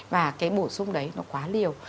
và cái bổ sung đấy nó quá liều